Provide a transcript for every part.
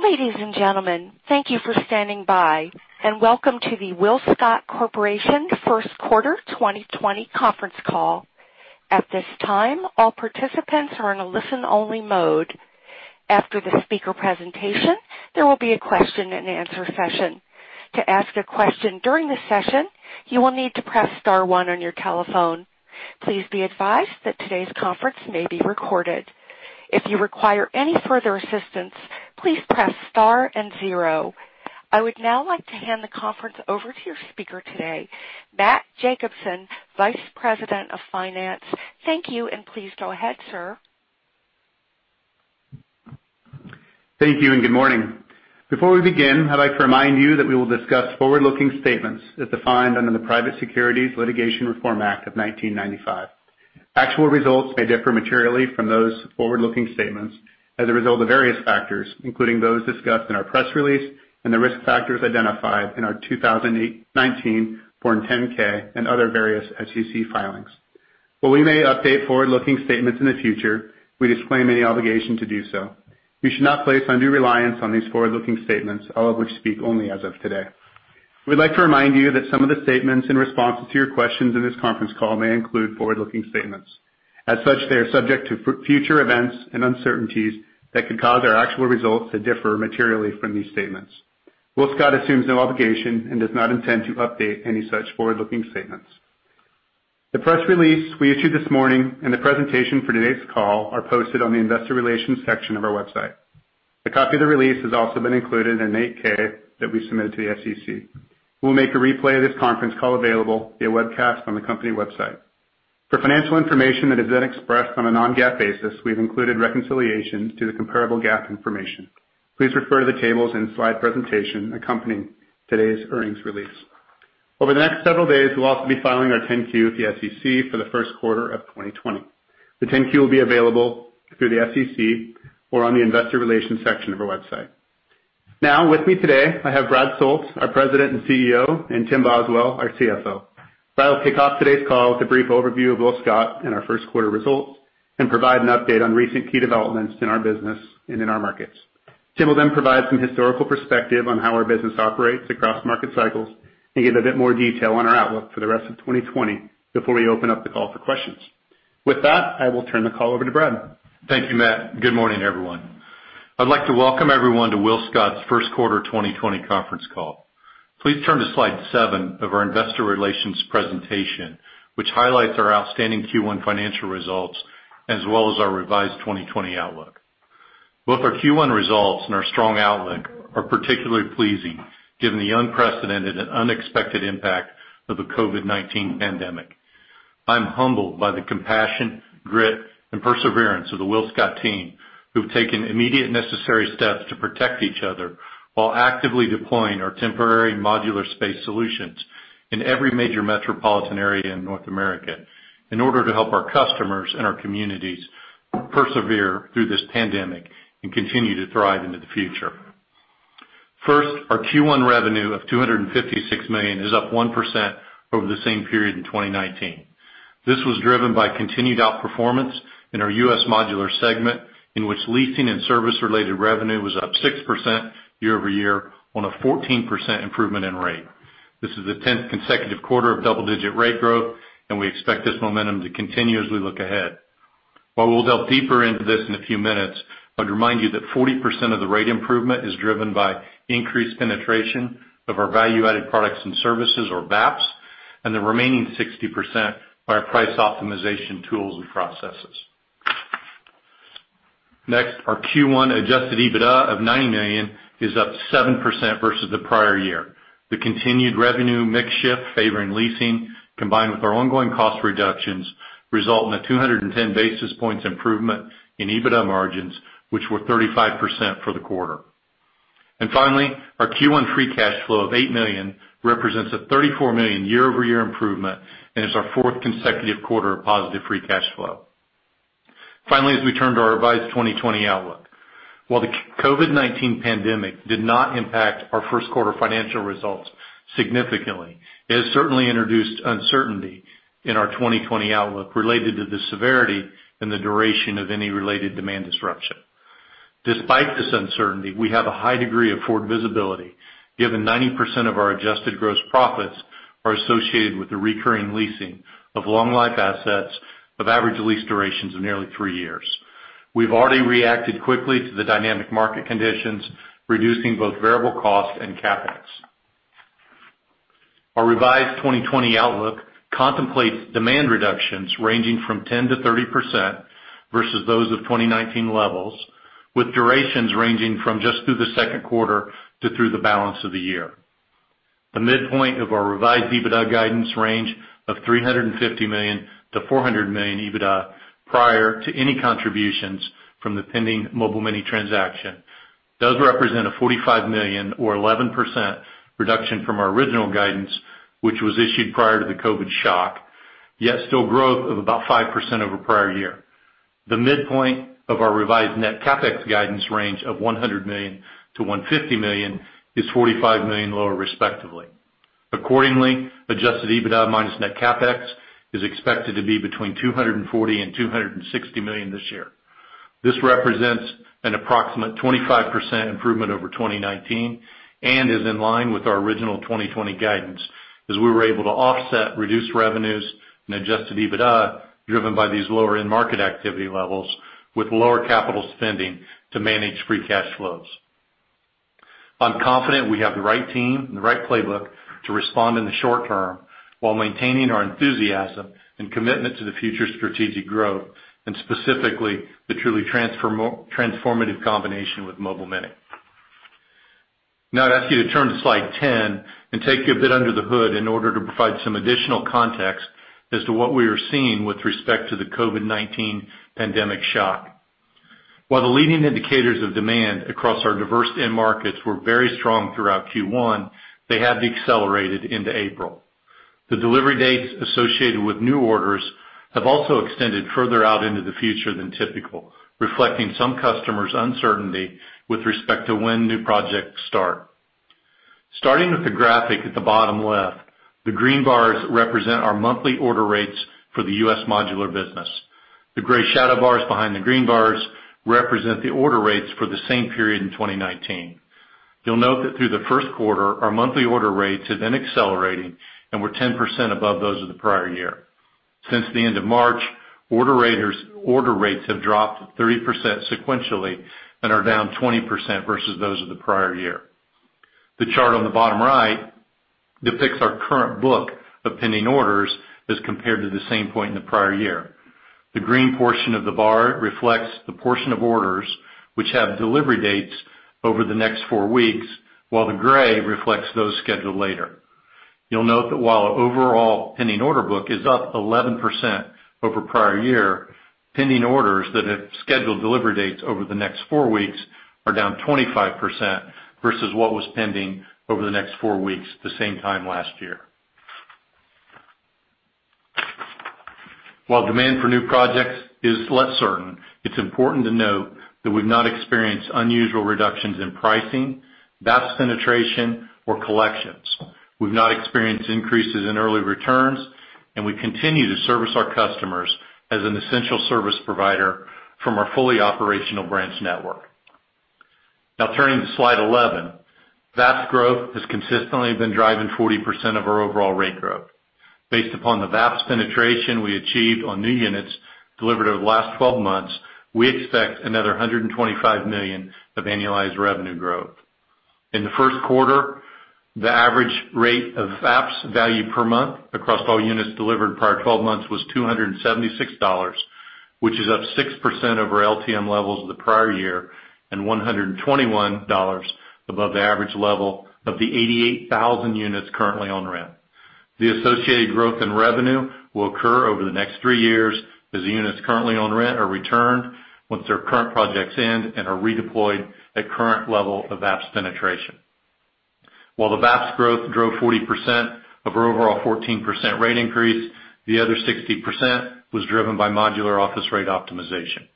Ladies and gentlemen, thank you for standing by, and welcome to the WillScot Corporation first quarter 2020 conference call. At this time, all participants are in a listen-only mode. After the speaker presentation, there will be a question-and-answer session. To ask a question during the session, you will need to press star one on your telephone. Please be advised that today's conference may be recorded. If you require any further assistance, please press star and zero. I would now like to hand the conference over to your speaker today, Matt Jacobson, Vice President of Finance. Thank you, and please go ahead, sir. Thank you, and good morning. Before we begin, I'd like to remind you that we will discuss forward-looking statements as defined under the Private Securities Litigation Reform Act of 1995. Actual results may differ materially from those forward-looking statements as a result of various factors, including those discussed in our press release and the risk factors identified in our 2019 Form 10-K and other various SEC filings. While we may update forward-looking statements in the future, we disclaim any obligation to do so. You should not place undue reliance on these forward-looking statements, all of which speak only as of today. We'd like to remind you that some of the statements and responses to your questions in this conference call may include forward-looking statements. As such, they are subject to future events and uncertainties that could cause our actual results to differ materially from these statements. WillScot assumes no obligation and does not intend to update any such forward-looking statements. The press release we issued this morning and the presentation for today's call are posted on the Investor Relations section of our website. A copy of the release has also been included in an 8-K that we submitted to the SEC. We will make a replay of this conference call available via webcast on the company website. For financial information that is then expressed on a non-GAAP basis, we've included reconciliation to the comparable GAAP information. Please refer to the tables in the slide presentation accompanying today's earnings release. Over the next several days, we'll also be filing our 10-Q with the SEC for the first quarter of 2020. The 10-Q will be available through the SEC or on the Investor Relations section of our website. Now, with me today, I have Brad Soultz, our President and CEO, and Tim Boswell, our CFO. Brad will kick off today's call with a brief overview of WillScot and our first quarter results and provide an update on recent key developments in our business and in our markets. Tim will then provide some historical perspective on how our business operates across market cycles and give a bit more detail on our outlook for the rest of 2020 before we open up the call for questions. With that, I will turn the call over to Brad. Thank you, Matt. Good morning, everyone. I'd like to welcome everyone to WillScot's first quarter 2020 conference call. Please turn to Slide 7 of our Investor Relations presentation, which highlights our outstanding Q1 financial results as well as our revised 2020 outlook. Both our Q1 results and our strong outlook are particularly pleasing given the unprecedented and unexpected impact of the COVID-19 pandemic. I'm humbled by the compassion, grit, and perseverance of the WillScot team who've taken immediate necessary steps to protect each other while actively deploying our temporary modular space solutions in every major metropolitan area in North America in order to help our customers and our communities persevere through this pandemic and continue to thrive into the future. First, our Q1 revenue of $256 million is up 1% over the same period in 2019. This was driven by continued outperformance in our U.S. Modular segment, in which leasing and service-related revenue was up 6% year-over-year on a 14% improvement in rate. This is the 10th consecutive quarter of double-digit rate growth, and we expect this momentum to continue as we look ahead. While we'll delve deeper into this in a few minutes, I'd remind you that 40% of the rate improvement is driven by increased penetration of our value-added products and services, or VAPS, and the remaining 60% by our price optimization tools and processes. Next, our Q1 adjusted EBITDA of $90 million is up 7% versus the prior year. The continued revenue mix shift favoring leasing, combined with our ongoing cost reductions, results in a 210 basis points improvement in EBITDA margins, which were 35% for the quarter. Finally, our Q1 free cash flow of $8 million represents a $34 million year-over-year improvement and is our fourth consecutive quarter of positive free cash flow. Finally, as we turn to our revised 2020 outlook, while the COVID-19 pandemic did not impact our first quarter financial results significantly, it has certainly introduced uncertainty in our 2020 outlook related to the severity and the duration of any related demand disruption. Despite this uncertainty, we have a high degree of forward visibility given 90% of our adjusted gross profits are associated with the recurring leasing of long-life assets of average lease durations of nearly three years. We've already reacted quickly to the dynamic market conditions, reducing both variable costs and CapEx. Our revised 2020 outlook contemplates demand reductions ranging from 10%-30% versus those of 2019 levels, with durations ranging from just through the second quarter to through the balance of the year. The midpoint of our revised EBITDA guidance range of $350 million-$400 million EBITDA prior to any contributions from the pending Mobile Mini transaction does represent a $45 million, or 11%, reduction from our original guidance, which was issued prior to the COVID shock, yet still growth of about 5% over prior year. The midpoint of our revised net CapEx guidance range of $100 million-$150 million is $45 million lower, respectively. Accordingly, adjusted EBITDA minus net CapEx is expected to be between $240 million and $260 million this year. This represents an approximate 25% improvement over 2019 and is in line with our original 2020 guidance as we were able to offset reduced revenues and adjusted EBITDA driven by these lower-end market activity levels with lower capital spending to manage free cash flows. I'm confident we have the right team and the right playbook to respond in the short term while maintaining our enthusiasm and commitment to the future strategic growth, and specifically the truly transformative combination with Mobile Mini. Now, I'd ask you to turn to Slide 10 and take a bit under the hood in order to provide some additional context as to what we are seeing with respect to the COVID-19 pandemic shock. While the leading indicators of demand across our diverse end markets were very strong throughout Q1, they have accelerated into April. The delivery dates associated with new orders have also extended further out into the future than typical, reflecting some customers' uncertainty with respect to when new projects start. Starting with the graphic at the bottom left, the green bars represent our monthly order rates for the U.S. Modular business. The gray shadow bars behind the green bars represent the order rates for the same period in 2019. You'll note that through the first quarter, our monthly order rates have been accelerating and were 10% above those of the prior year. Since the end of March, order rates have dropped 30% sequentially and are down 20% versus those of the prior year. The chart on the bottom right depicts our current book of pending orders as compared to the same point in the prior year. The green portion of the bar reflects the portion of orders which have delivery dates over the next four weeks, while the gray reflects those scheduled later. You'll note that while our overall pending order book is up 11% over prior year, pending orders that have scheduled delivery dates over the next four weeks are down 25% versus what was pending over the next four weeks the same time last year. While demand for new projects is less certain, it's important to note that we've not experienced unusual reductions in pricing, VAPS penetration, or collections. We've not experienced increases in early returns, and we continue to service our customers as an essential service provider from our fully operational branch network. Now, turning to Slide 11, VAPS growth has consistently been driving 40% of our overall rate growth. Based upon the VAPS penetration we achieved on new units delivered over the last 12 months, we expect another $125 million of annualized revenue growth. In the first quarter, the average rate of VAPS value per month across all units delivered prior 12 months was $276, which is up 6% over LTM levels of the prior year and $121 above the average level of the 88,000 units currently on rent. The associated growth in revenue will occur over the next three years as the units currently on rent are returned once their current projects end and are redeployed at current level of VAPS penetration. While the VAPS growth drove 40% of our overall 14% rate increase, the other 60% was driven by modular office rate optimization.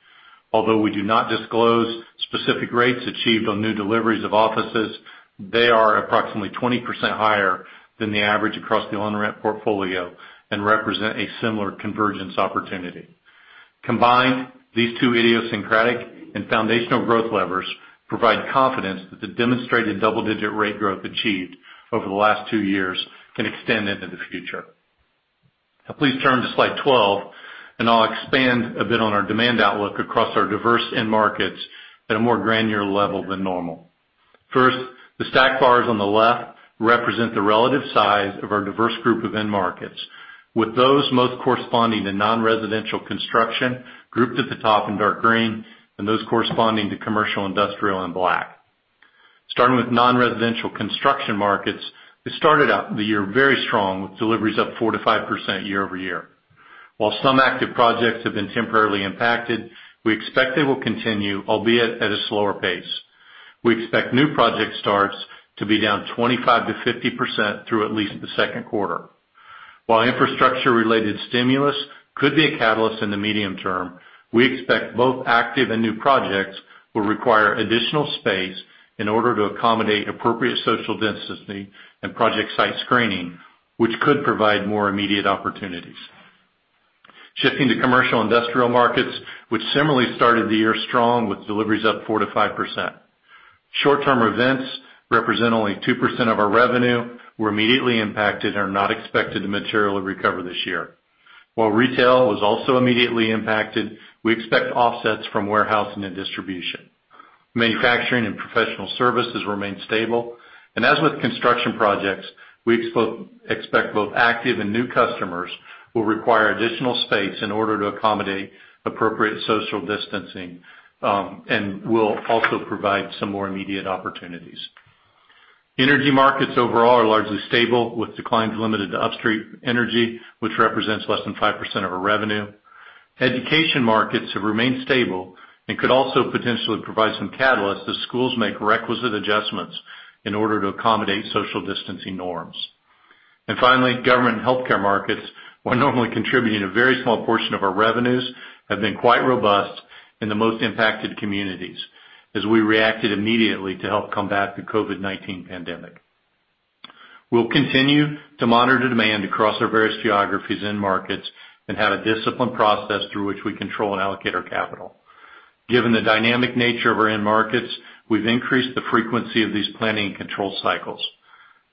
Although we do not disclose specific rates achieved on new deliveries of offices, they are approximately 20% higher than the average across the on-rent portfolio and represent a similar convergence opportunity. Combined, these two idiosyncratic and foundational growth levers provide confidence that the demonstrated double-digit rate growth achieved over the last two years can extend into the future. Now, please turn to Slide 12, and I'll expand a bit on our demand outlook across our diverse end markets at a more granular level than normal. First, the stack bars on the left represent the relative size of our diverse group of end markets, with those most corresponding to non-residential construction grouped at the top in dark green and those corresponding to commercial, industrial, in black. Starting with non-residential construction markets, we started out the year very strong with deliveries up 4%-5% year-over-year. While some active projects have been temporarily impacted, we expect they will continue, albeit at a slower pace. We expect new project starts to be down 25%-50% through at least the second quarter. While infrastructure-related stimulus could be a catalyst in the medium term, we expect both active and new projects will require additional space in order to accommodate appropriate social density and project site screening, which could provide more immediate opportunities. Shifting to commercial industrial markets, which similarly started the year strong with deliveries up 4%-5%. Short-term events represent only 2% of our revenue, were immediately impacted, and are not expected to materially recover this year. While retail was also immediately impacted, we expect offsets from warehouse and distribution. Manufacturing and professional services remain stable, and as with construction projects, we expect both active and new customers will require additional space in order to accommodate appropriate social distancing and will also provide some more immediate opportunities. Energy markets overall are largely stable, with declines limited to upstream energy, which represents less than 5% of our revenue. Education markets have remained stable and could also potentially provide some catalyst if schools make requisite adjustments in order to accommodate social distancing norms. And finally, government healthcare markets, while normally contributing a very small portion of our revenues, have been quite robust in the most impacted communities as we reacted immediately to help combat the COVID-19 pandemic. We'll continue to monitor demand across our various geographies and markets and have a disciplined process through which we control and allocate our capital. Given the dynamic nature of our end markets, we've increased the frequency of these planning and control cycles.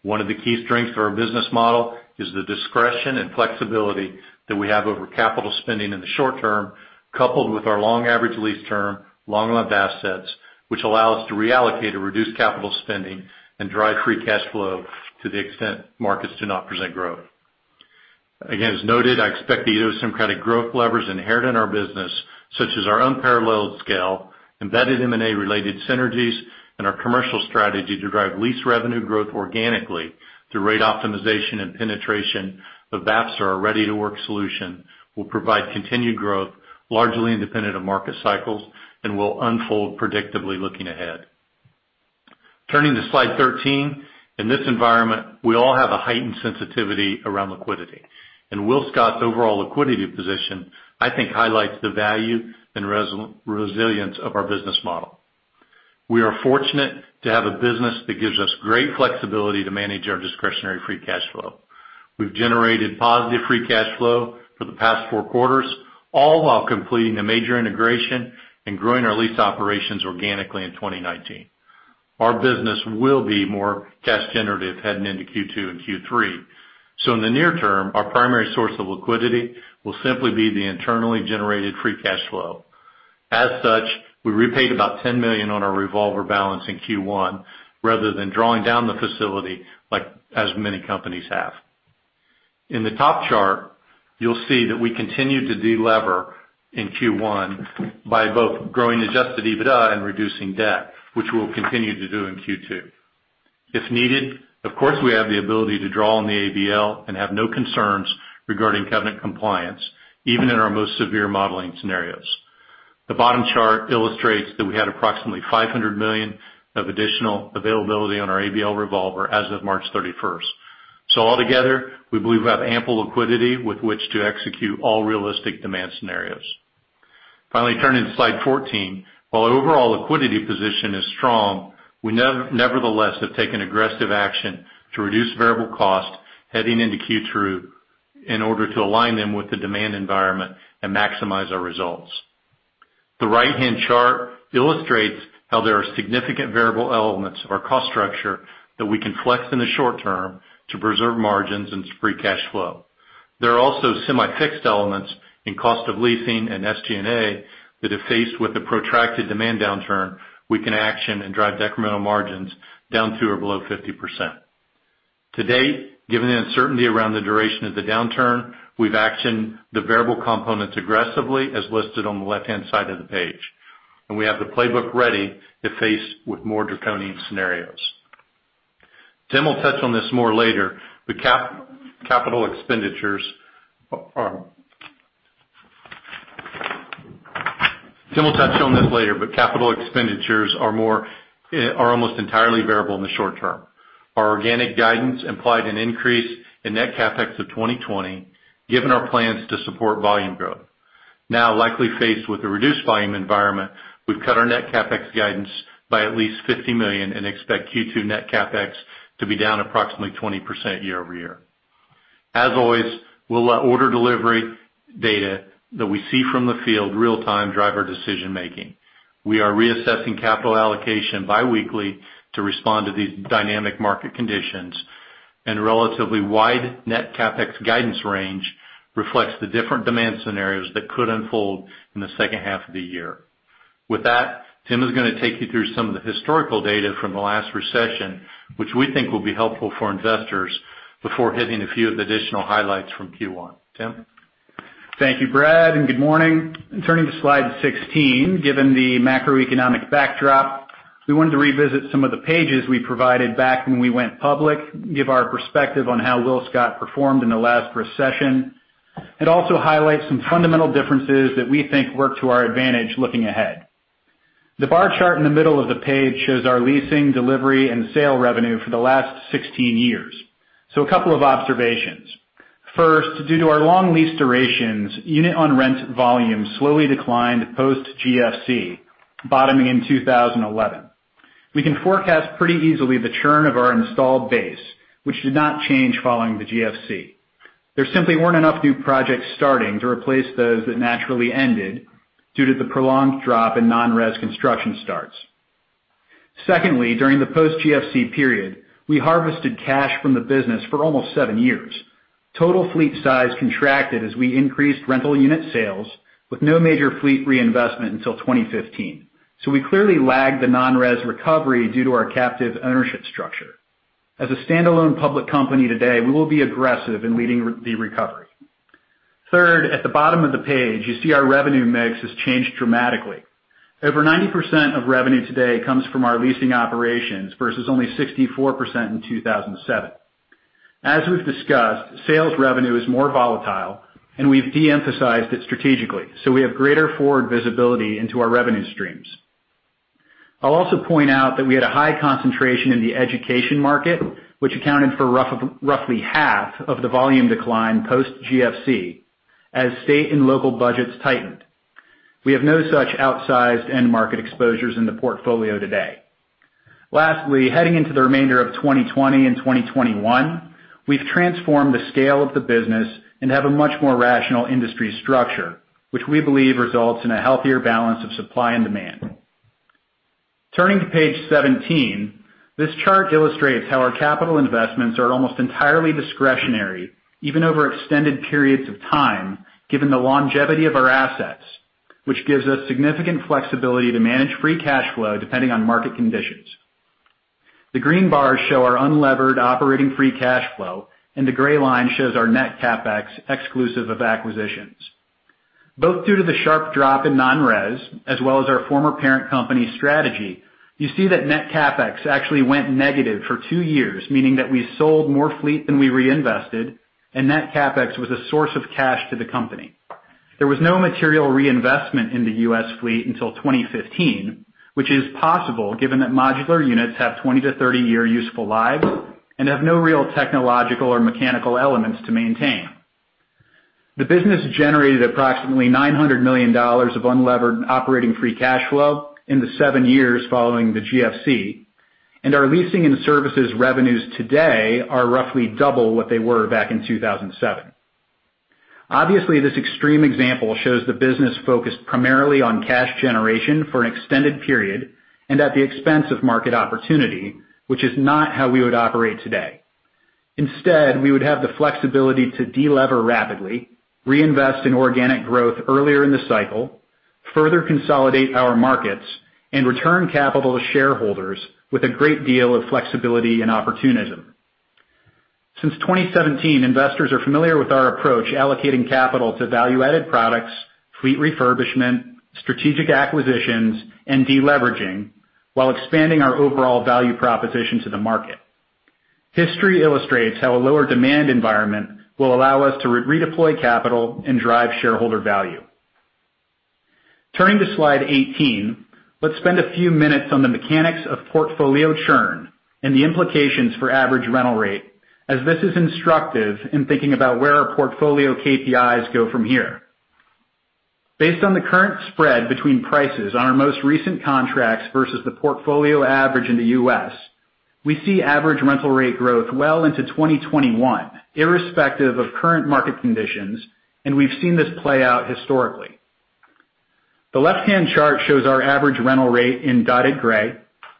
One of the key strengths of our business model is the discretion and flexibility that we have over capital spending in the short term, coupled with our long average lease term, long-life assets, which allow us to reallocate or reduce capital spending and drive free cash flow to the extent markets do not present growth. Again, as noted, I expect the idiosyncratic growth levers inherent in our business, such as our unparalleled scale, embedded M&A-related synergies, and our commercial strategy to drive lease revenue growth organically through rate optimization and penetration of VAPS or our Ready to Work solution, will provide continued growth largely independent of market cycles and will unfold predictably looking ahead. Turning to Slide 13, in this environment, we all have a heightened sensitivity around liquidity, and WillScot's overall liquidity position, I think, highlights the value and resilience of our business model. We are fortunate to have a business that gives us great flexibility to manage our discretionary free cash flow. We've generated positive free cash flow for the past four quarters, all while completing a major integration and growing our lease operations organically in 2019. Our business will be more cash-generative heading into Q2 and Q3. So, in the near term, our primary source of liquidity will simply be the internally generated free cash flow. As such, we repaid about $10 million on our revolver balance in Q1 rather than drawing down the facility like as many companies have. In the top chart, you'll see that we continued to deleverage in Q1 by both growing Adjusted EBITDA and reducing debt, which we'll continue to do in Q2. If needed, of course, we have the ability to draw on the ABL and have no concerns regarding covenant compliance, even in our most severe modeling scenarios. The bottom chart illustrates that we had approximately $500 million of additional availability on our ABL revolver as of March 31st. So, altogether, we believe we have ample liquidity with which to execute all realistic demand scenarios. Finally, turning to Slide 14, while the overall liquidity position is strong, we nevertheless have taken aggressive action to reduce variable costs heading into Q2 in order to align them with the demand environment and maximize our results. The right-hand chart illustrates how there are significant variable elements of our cost structure that we can flex in the short term to preserve margins and free cash flow. There are also semi-fixed elements in cost of leasing and SG&A that, if faced with a protracted demand downturn, we can action and drive decremental margins down to or below 50%. To date, given the uncertainty around the duration of the downturn, we've actioned the variable components aggressively, as listed on the left-hand side of the page, and we have the playbook ready if faced with more draconian scenarios. Tim will touch on this more later, but capital expenditures are almost entirely variable in the short term. Our organic guidance implied an increase in net CapEx of 2020, given our plans to support volume growth. Now, likely faced with a reduced volume environment, we've cut our Net CapEx guidance by at least $50 million and expect Q2 Net CapEx to be down approximately 20% year-over-year. As always, we'll let order delivery data that we see from the field real-time drive our decision-making. We are reassessing capital allocation biweekly to respond to these dynamic market conditions, and a relatively wide Net CapEx guidance range reflects the different demand scenarios that could unfold in the second half of the year. With that, Tim is going to take you through some of the historical data from the last recession, which we think will be helpful for investors before hitting a few of the additional highlights from Q1. Tim? Thank you, Brad, and good morning. Turning to Slide 16, given the macroeconomic backdrop, we wanted to revisit some of the pages we provided back when we went public, give our perspective on how WillScot performed in the last recession, and also highlight some fundamental differences that we think work to our advantage looking ahead. The bar chart in the middle of the page shows our leasing, delivery, and sale revenue for the last 16 years. So, a couple of observations. First, due to our long lease durations, unit on rent volume slowly declined post-GFC, bottoming in 2011. We can forecast pretty easily the churn of our installed base, which did not change following the GFC. There simply weren't enough new projects starting to replace those that naturally ended due to the prolonged drop in Non-Res construction starts. Secondly, during the post-GFC period, we harvested cash from the business for almost seven years. Total fleet size contracted as we increased rental unit sales with no major fleet reinvestment until 2015. So, we clearly lagged the Non-Res recovery due to our captive ownership structure. As a standalone public company today, we will be aggressive in leading the recovery. Third, at the bottom of the page, you see our revenue mix has changed dramatically. Over 90% of revenue today comes from our leasing operations versus only 64% in 2007. As we've discussed, sales revenue is more volatile, and we've de-emphasized it strategically, so we have greater forward visibility into our revenue streams. I'll also point out that we had a high concentration in the education market, which accounted for roughly half of the volume decline post-GFC as state and local budgets tightened. We have no such outsized end market exposures in the portfolio today. Lastly, heading into the remainder of 2020 and 2021, we've transformed the scale of the business and have a much more rational industry structure, which we believe results in a healthier balance of supply and demand. Turning to Page 17, this chart illustrates how our capital investments are almost entirely discretionary, even over extended periods of time, given the longevity of our assets, which gives us significant flexibility to manage free cash flow depending on market conditions. The green bars show our unlevered operating free cash flow, and the gray line shows our net CapEx exclusive of acquisitions. Both due to the sharp drop in Non-Res, as well as our former parent company's strategy, you see that net CapEx actually went negative for two years, meaning that we sold more fleet than we reinvested, and net CapEx was a source of cash to the company. There was no material reinvestment in the U.S. fleet until 2015, which is possible given that modular units have 20 year-30 year useful lives and have no real technological or mechanical elements to maintain. The business generated approximately $900 million of unlevered operating free cash flow in the seven years following the GFC, and our leasing and services revenues today are roughly double what they were back in 2007. Obviously, this extreme example shows the business focused primarily on cash generation for an extended period and at the expense of market opportunity, which is not how we would operate today. Instead, we would have the flexibility to delever rapidly, reinvest in organic growth earlier in the cycle, further consolidate our markets, and return capital to shareholders with a great deal of flexibility and opportunism. Since 2017, investors are familiar with our approach allocating capital to value-added products, fleet refurbishment, strategic acquisitions, and deleveraging while expanding our overall value proposition to the market. History illustrates how a lower demand environment will allow us to redeploy capital and drive shareholder value. Turning to Slide 18, let's spend a few minutes on the mechanics of portfolio churn and the implications for average rental rate, as this is instructive in thinking about where our portfolio KPIs go from here. Based on the current spread between prices on our most recent contracts versus the portfolio average in the U.S., we see average rental rate growth well into 2021, irrespective of current market conditions, and we've seen this play out historically. The left-hand chart shows our average rental rate in dotted gray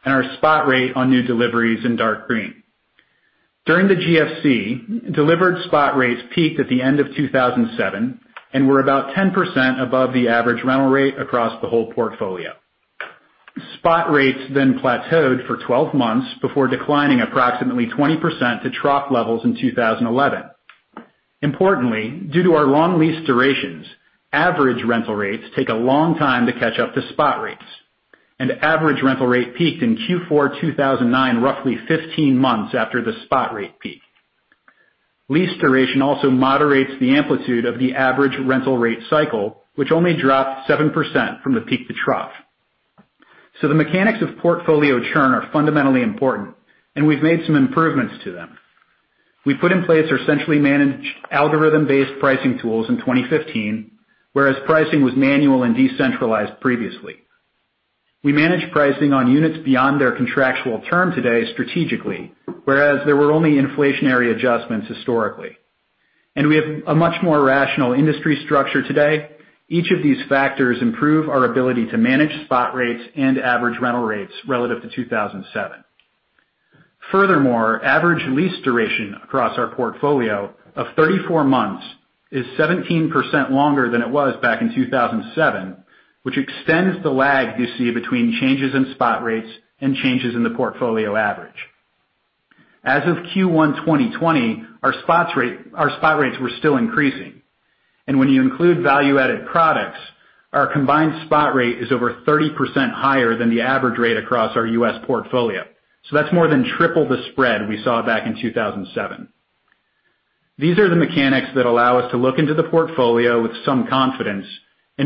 and our spot rate on new deliveries in dark green. During the GFC, delivered spot rates peaked at the end of 2007 and were about 10% above the average rental rate across the whole portfolio. Spot rates then plateaued for 12 months before declining approximately 20% to trough levels in 2011. Importantly, due to our long lease durations, average rental rates take a long time to catch up to spot rates, and average rental rate peaked in Q4 2009 roughly 15 months after the spot rate peak. Lease duration also moderates the amplitude of the average rental rate cycle, which only dropped 7% from the peak to trough, so the mechanics of portfolio churn are fundamentally important, and we've made some improvements to them. We put in place our centrally managed algorithm-based pricing tools in 2015, whereas pricing was manual and decentralized previously. We manage pricing on units beyond their contractual term today strategically, whereas there were only inflationary adjustments historically, and we have a much more rational industry structure today. Each of these factors improve our ability to manage spot rates and average rental rates relative to 2007. Furthermore, average lease duration across our portfolio of 34 months is 17% longer than it was back in 2007, which extends the lag you see between changes in spot rates and changes in the portfolio average. As of Q1 2020, our spot rates were still increasing, and when you include value-added products, our combined spot rate is over 30% higher than the average rate across our U.S. portfolio, so that's more than triple the spread we saw back in 2007. These are the mechanics that allow us to look into the portfolio with some confidence and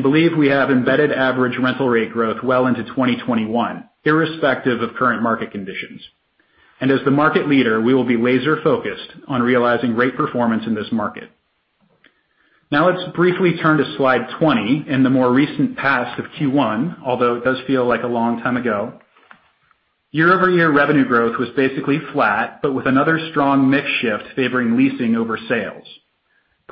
believe we have embedded average rental rate growth well into 2021, irrespective of current market conditions. And as the market leader, we will be laser-focused on realizing great performance in this market. Now, let's briefly turn to Slide 20 in the more recent past of Q1, although it does feel like a long time ago. Year-over-year revenue growth was basically flat, but with another strong mix shift favoring leasing over sales.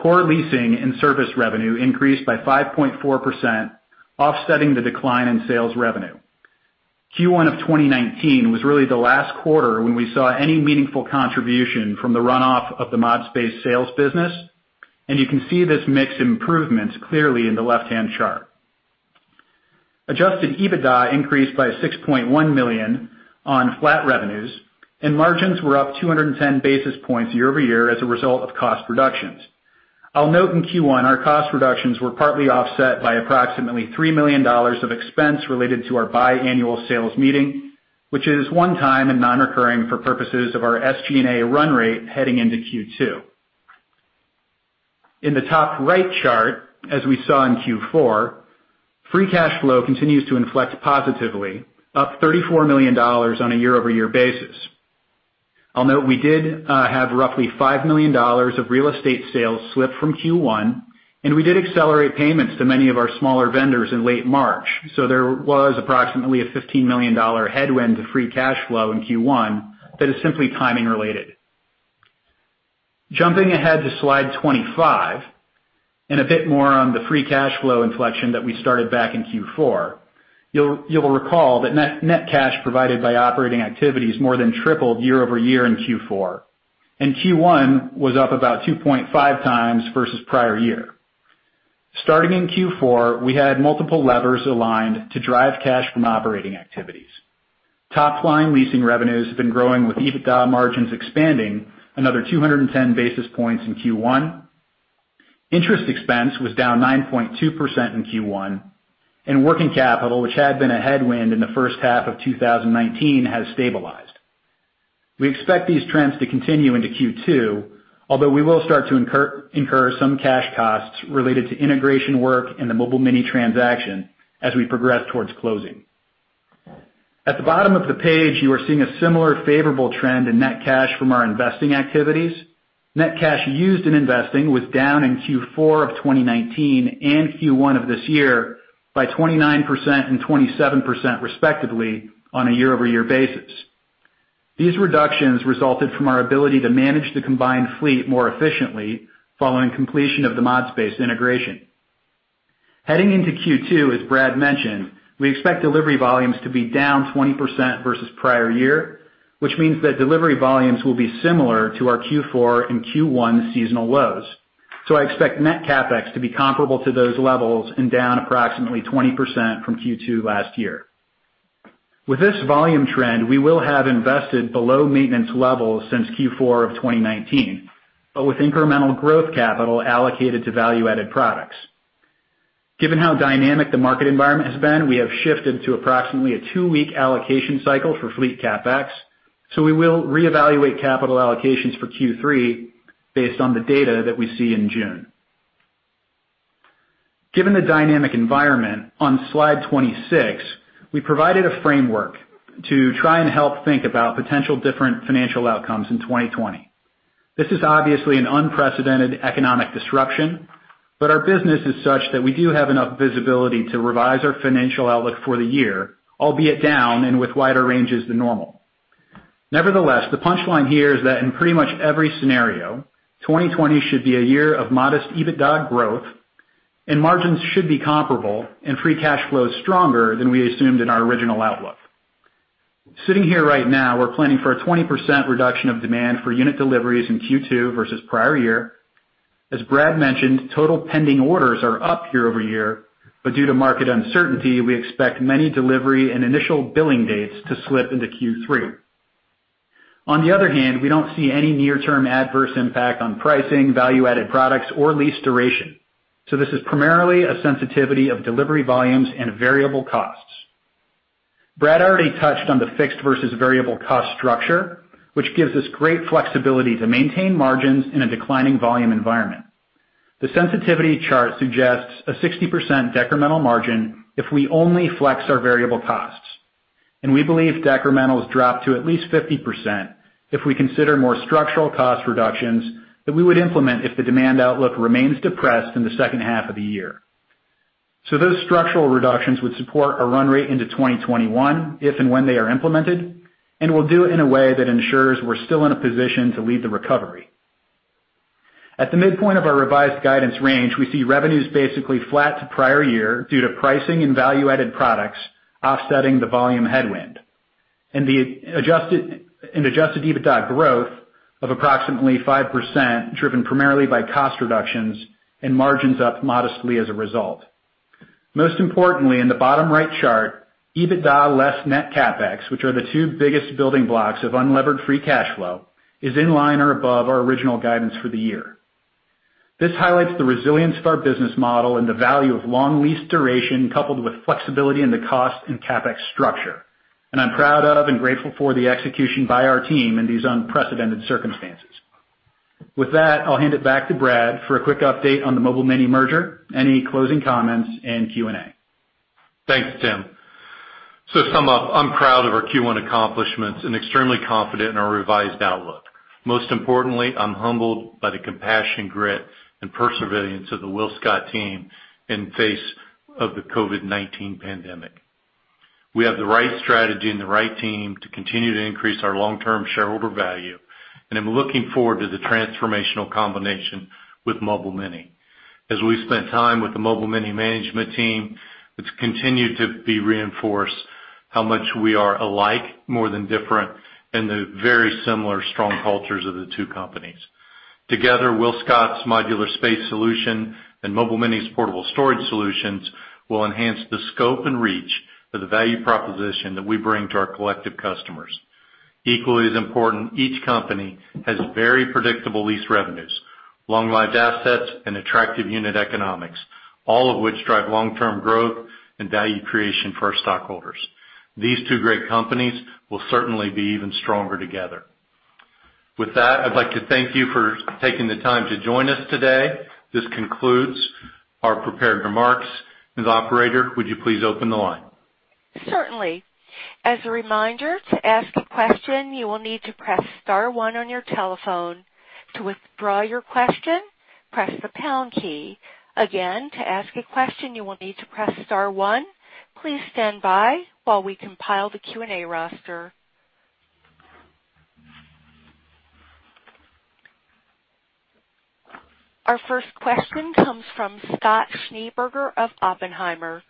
Core leasing and service revenue increased by 5.4%, offsetting the decline in sales revenue. Q1 of 2019 was really the last quarter when we saw any meaningful contribution from the runoff of the ModSpace sales business, and you can see this mix improvement clearly in the left-hand chart. Adjusted EBITDA increased by $6.1 million on flat revenues, and margins were up 210 basis points year-over-year as a result of cost reductions. I'll note in Q1 our cost reductions were partly offset by approximately $3 million of expense related to our biennial sales meeting, which is one-time and non-recurring for purposes of our SG&A run rate heading into Q2. In the top right chart, as we saw in Q4, free cash flow continues to inflect positively, up $34 million on a year-over-year basis. I'll note we did have roughly $5 million of real estate sales slip from Q1, and we did accelerate payments to many of our smaller vendors in late March, so there was approximately a $15 million headwind to free cash flow in Q1 that is simply timing related. Jumping ahead to Slide 25 and a bit more on the free cash flow inflection that we started back in Q4, you'll recall that net cash provided by operating activities more than tripled year-over-year in Q4, and Q1 was up about 2.5x versus prior year. Starting in Q4, we had multiple levers aligned to drive cash from operating activities. Top-line leasing revenues have been growing with EBITDA margins expanding another 210 basis points in Q1. Interest expense was down 9.2% in Q1, and working capital, which had been a headwind in the first half of 2019, has stabilized. We expect these trends to continue into Q2, although we will start to incur some cash costs related to integration work and the Mobile Mini transaction as we progress towards closing. At the bottom of the page, you are seeing a similar favorable trend in net cash from our investing activities. Net cash used in investing was down in Q4 of 2019 and Q1 of this year by 29% and 27% respectively on a year-over-year basis. These reductions resulted from our ability to manage the combined fleet more efficiently following completion of the ModSpace integration. Heading into Q2, as Brad mentioned, we expect delivery volumes to be down 20% versus prior year, which means that delivery volumes will be similar to our Q4 and Q1 seasonal lows. So, I expect net CapEx to be comparable to those levels and down approximately 20% from Q2 last year. With this volume trend, we will have invested below maintenance levels since Q4 of 2019, but with incremental growth capital allocated to value-added products. Given how dynamic the market environment has been, we have shifted to approximately a two-week allocation cycle for fleet CapEx, so we will reevaluate capital allocations for Q3 based on the data that we see in June. Given the dynamic environment, on Slide 26, we provided a framework to try and help think about potential different financial outcomes in 2020. This is obviously an unprecedented economic disruption, but our business is such that we do have enough visibility to revise our financial outlook for the year, albeit down and with wider ranges than normal. Nevertheless, the punchline here is that in pretty much every scenario, 2020 should be a year of modest EBITDA growth, and margins should be comparable, and free cash flow stronger than we assumed in our original outlook. Sitting here right now, we're planning for a 20% reduction of demand for unit deliveries in Q2 versus prior year. As Brad mentioned, total pending orders are up year-over-year, but due to market uncertainty, we expect many delivery and initial billing dates to slip into Q3. On the other hand, we don't see any near-term adverse impact on pricing, value-added products, or lease duration, so this is primarily a sensitivity of delivery volumes and variable costs. Brad already touched on the fixed versus variable cost structure, which gives us great flexibility to maintain margins in a declining volume environment. The sensitivity chart suggests a 60% decremental margin if we only flex our variable costs, and we believe decrementals drop to at least 50% if we consider more structural cost reductions that we would implement if the demand outlook remains depressed in the second half of the year. Those structural reductions would support our run rate into 2021 if and when they are implemented, and we'll do it in a way that ensures we're still in a position to lead the recovery. At the midpoint of our revised guidance range, we see revenues basically flat to prior year due to pricing and value-added products offsetting the volume headwind and the adjusted EBITDA growth of approximately 5% driven primarily by cost reductions and margins up modestly as a result. Most importantly, in the bottom right chart, EBITDA less Net CapEx, which are the two biggest building blocks of unlevered free cash flow, is in line or above our original guidance for the year. This highlights the resilience of our business model and the value of long lease duration coupled with flexibility in the cost and CapEx structure, and I'm proud of and grateful for the execution by our team in these unprecedented circumstances. With that, I'll hand it back to Brad for a quick update on the Mobile Mini merger, any closing comments, and Q&A. Thanks, Tim. So, to sum up, I'm proud of our Q1 accomplishments and extremely confident in our revised outlook. Most importantly, I'm humbled by the compassion, grit, and perseverance of the WillScot team in the face of the COVID-19 pandemic. We have the right strategy and the right team to continue to increase our long-term shareholder value, and I'm looking forward to the transformational combination with Mobile Mini. As we've spent time with the Mobile Mini management team, it's continued to be reinforced how much we are alike more than different in the very similar strong cultures of the two companies. Together, WillScot's modular space solution and Mobile Mini's portable storage solutions will enhance the scope and reach of the value proposition that we bring to our collective customers. Equally as important, each company has very predictable lease revenues, long-lived assets, and attractive unit economics, all of which drive long-term growth and value creation for our stockholders. These two great companies will certainly be even stronger together. With that, I'd like to thank you for taking the time to join us today. This concludes our prepared remarks. Ms. Operator, would you please open the line? Certainly. As a reminder, to ask a question, you will need to press star 1 on your telephone. To withdraw your question, press the pound key. Again, to ask a question, you will need to press star 1. Please stand by while we compile the Q&A roster. Our first question comes from Scott Schneeberger of Oppenheimer.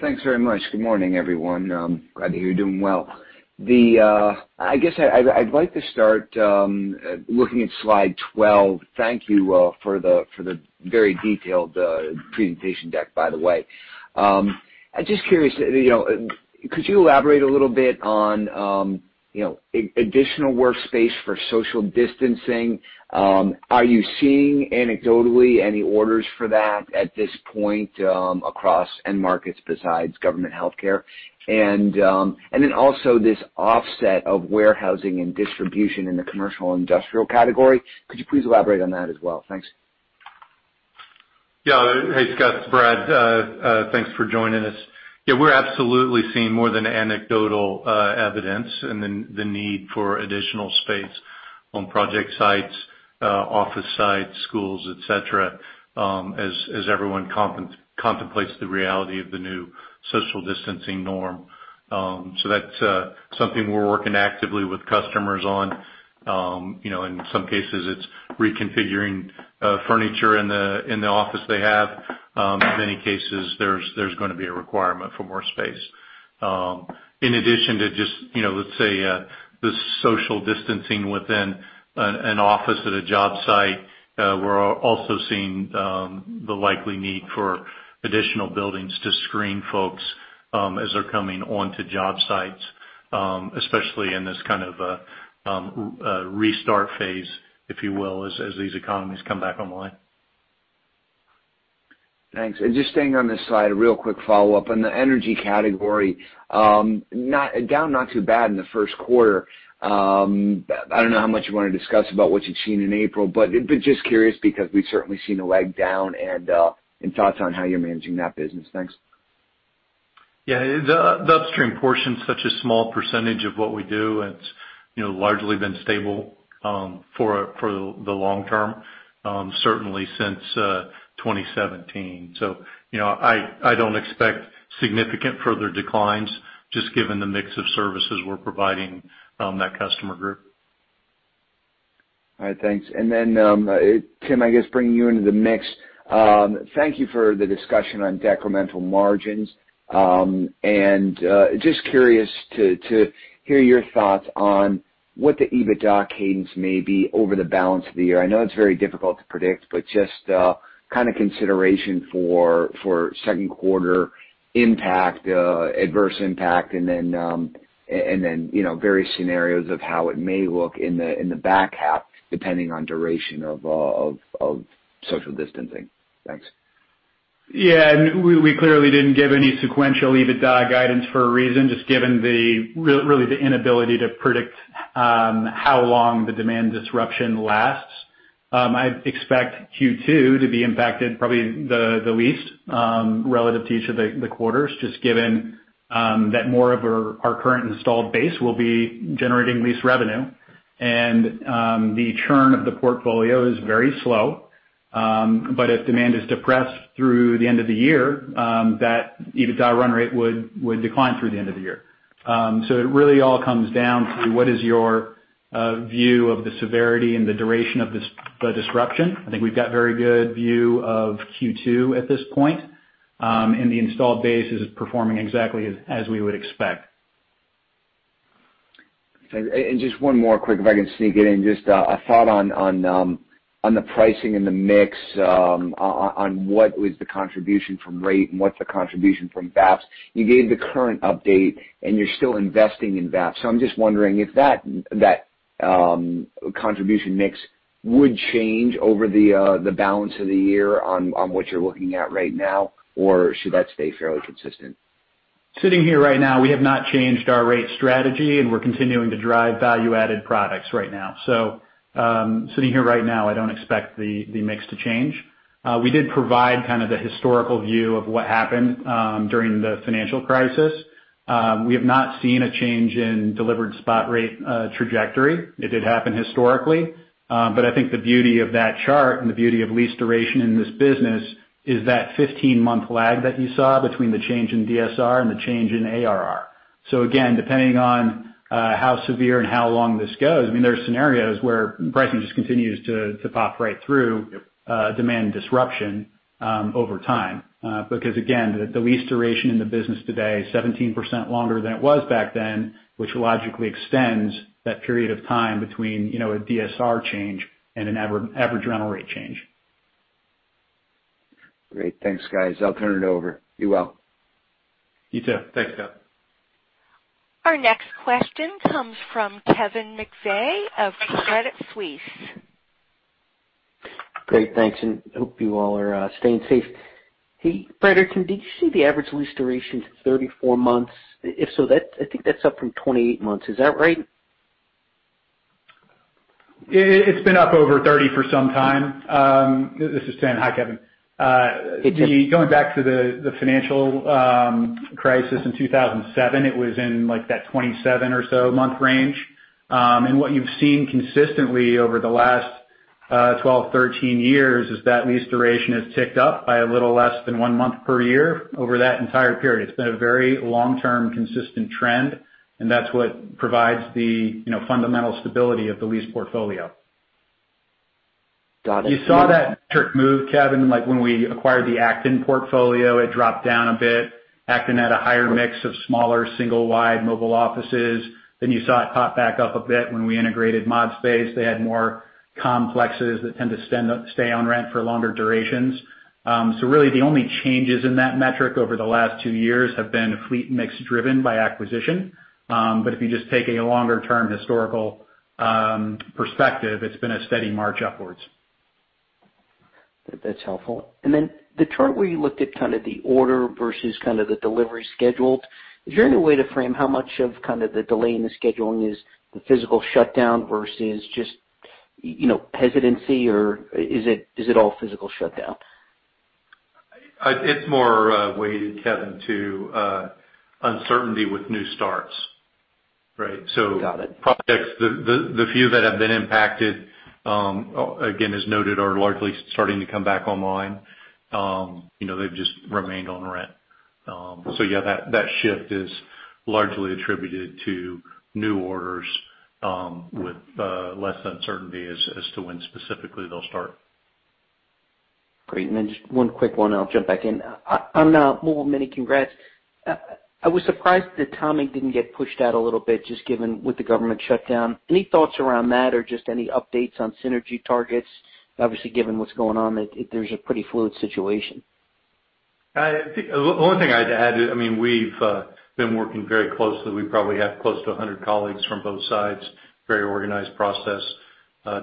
Thanks very much. Good morning, everyone. Glad to hear you're doing well. I guess I'd like to start looking at Slide 12. Thank you for the very detailed presentation deck, by the way. I'm just curious, could you elaborate a little bit on additional workspace for social distancing? Are you seeing anecdotally any orders for that at this point across end markets besides government healthcare? And then also this offset of warehousing and distribution in the commercial industrial category, could you please elaborate on that as well? Thanks. Yeah. Hey, Scott, it's Brad. Thanks for joining us. Yeah, we're absolutely seeing more than anecdotal evidence and the need for additional space on project sites, office sites, schools, etc., as everyone contemplates the reality of the new social distancing norm. So that's something we're working actively with customers on. In some cases, it's reconfiguring furniture in the office they have. In many cases, there's going to be a requirement for more space. In addition to just, let's say, the social distancing within an office at a job site, we're also seeing the likely need for additional buildings to screen folks as they're coming onto job sites, especially in this kind of restart phase, if you will, as these economies come back online. Thanks. And just staying on this slide, a real quick follow-up on the energy category. Down not too bad in the first quarter. I don't know how much you want to discuss about what you've seen in April, but just curious because we've certainly seen a leg down and thoughts on how you're managing that business. Thanks. Yeah. The upstream portion, such a small percentage of what we do, it's largely been stable for the long term, certainly since 2017. So I don't expect significant further declines, just given the mix of services we're providing that customer group. All right. Thanks. And then, Tim, I guess bringing you into the mix, thank you for the discussion on decremental margins. And just curious to hear your thoughts on what the EBITDA cadence may be over the balance of the year. I know it's very difficult to predict, but just kind of consideration for second quarter impact, adverse impact, and then various scenarios of how it may look in the back half, depending on duration of social distancing. Thanks. Yeah. And we clearly didn't give any sequential EBITDA guidance for a reason, just given really the inability to predict how long the demand disruption lasts. I expect Q2 to be impacted probably the least relative to each of the quarters, just given that more of our current installed base will be generating lease revenue. And the churn of the portfolio is very slow, but if demand is depressed through the end of the year, that EBITDA run rate would decline through the end of the year. So it really all comes down to what is your view of the severity and the duration of the disruption. I think we've got a very good view of Q2 at this point, and the installed base is performing exactly as we would expect. And just one more quick, if I can sneak it in, just a thought on the pricing and the mix, on what was the contribution from rate and what's the contribution from VAPS. You gave the current update, and you're still investing in VAPS. So I'm just wondering if that contribution mix would change over the balance of the year on what you're looking at right now, or should that stay fairly consistent? Sitting here right now, we have not changed our rate strategy, and we're continuing to drive value-added products right now. So sitting here right now, I don't expect the mix to change. We did provide kind of the historical view of what happened during the financial crisis. We have not seen a change in delivered spot rate trajectory. It did happen historically, but I think the beauty of that chart and the beauty of lease duration in this business is that 15-month lag that you saw between the change in DSR and the change in ARR. So again, depending on how severe and how long this goes, I mean, there are scenarios where pricing just continues to pop right through demand disruption over time because, again, the lease duration in the business today is 17% longer than it was back then, which logically extends that period of time between a DSR change and an average rental rate change. Great. Thanks, guys. I'll turn it over. Be well. You too. Thanks, Scott. Our next question comes from Kevin McVeigh of Credit Suisse. Great. Thanks. And hope you all are staying safe. Hey, Brad Soultz, did you see the average lease duration to 34 months? If so, I think that's up from 28 months. Is that right? It's been up over 30 for some time. This is Tim. Hi, Kevin. Hey, Tim. Going back to the financial crisis in 2007, it was in that 27-or-so-month range, and what you've seen consistently over the last 12 years, 13 years is that lease duration has ticked up by a little less than one month per year over that entire period. It's been a very long-term consistent trend, and that's what provides the fundamental stability of the lease portfolio. Got it. You saw that trick move, Kevin. When we acquired the Acton portfolio, it dropped down a bit. Acton had a higher mix of smaller, single-wide mobile offices. Then you saw it pop back up a bit when we integrated ModSpace. They had more complexes that tend to stay on rent for longer durations. So really, the only changes in that metric over the last two years have been fleet mix driven by acquisition. But if you just take a longer-term historical perspective, it's been a steady march upwards. That's helpful. And then the chart where you looked at kind of the order versus kind of the delivery scheduled, is there any way to frame how much of kind of the delay in the scheduling is the physical shutdown versus just hesitancy, or is it all physical shutdown? It's more weighted, Kevin, to uncertainty with new starts, right? So projects, the few that have been impacted, again, as noted, are largely starting to come back online. They've just remained on rent. So yeah, that shift is largely attributed to new orders with less uncertainty as to when specifically they'll start. Great. And then just one quick one, and I'll jump back in. On the Mobile Mini, congrats. I was surprised that the timing didn't get pushed out a little bit, just given with the government shutdown. Any thoughts around that, or just any updates on synergy targets, obviously given what's going on, that there's a pretty fluid situation? The only thing I'd add, I mean, we've been working very closely. We probably have close to 100 colleagues from both sides. Very organized process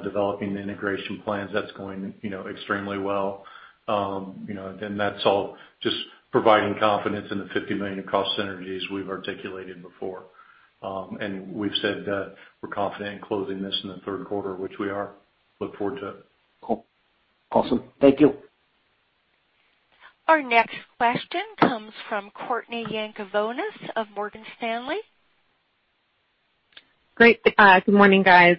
developing the integration plans. That's going extremely well. And that's all just providing confidence in the $50 million across synergies we've articulated before. And we've said that we're confident in closing this in the third quarter, which we are. Look forward to it. Cool. Awesome. Thank you. Our next question comes from Courtney Yakavonis of Morgan Stanley. Great. Good morning, guys.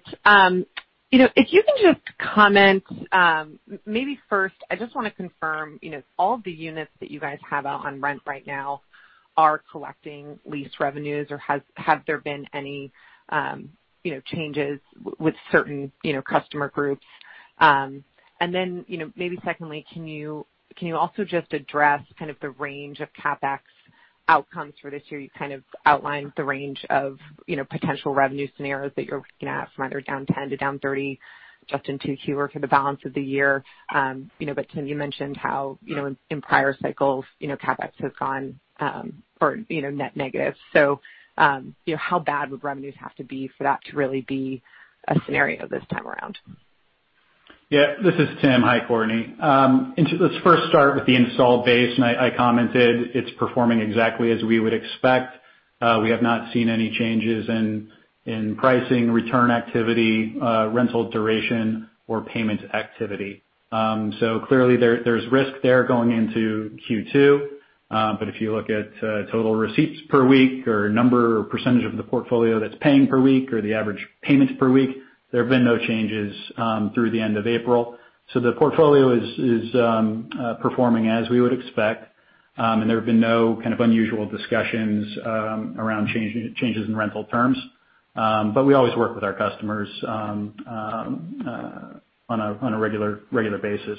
If you can just comment, maybe first, I just want to confirm all of the units that you guys have out on rent right now are collecting lease revenues, or have there been any changes with certain customer groups? And then maybe secondly, can you also just address kind of the range of CapEx outcomes for this year? You kind of outlined the range of potential revenue scenarios that you're looking at from either down 10% to down 30%, just in Q2, for the balance of the year. But Tim, you mentioned how in prior cycles, CapEx has gone net negative. So how bad would revenues have to be for that to really be a scenario this time around? Yeah. This is Tim. Hi, Courtney. Let's first start with the installed base. And I commented it's performing exactly as we would expect. We have not seen any changes in pricing, return activity, rental duration, or payment activity. So clearly, there's risk there going into Q2. But if you look at total receipts per week, or number, or percentage of the portfolio that's paying per week, or the average payments per week, there have been no changes through the end of April. So the portfolio is performing as we would expect. And there have been no kind of unusual discussions around changes in rental terms. But we always work with our customers on a regular basis.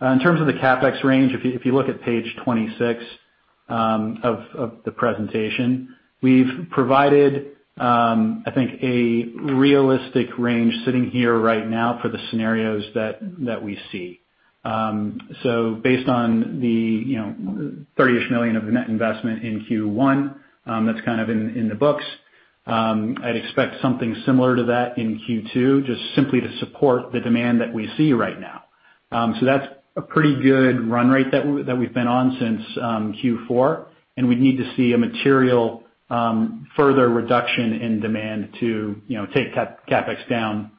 In terms of the CapEx range, if you look at Page 26 of the presentation, we've provided, I think, a realistic range sitting here right now for the scenarios that we see. So based on the $30-ish million of net investment in Q1, that's kind of in the books. I'd expect something similar to that in Q2, just simply to support the demand that we see right now. So that's a pretty good run rate that we've been on since Q4. And we'd need to see a material further reduction in demand to take CapEx down